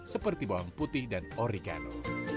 seperti bawang putih dan origano